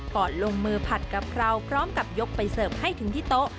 ลงมือผัดกะเพราพร้อมกับยกไปเสิร์ฟให้ถึงที่โต๊ะ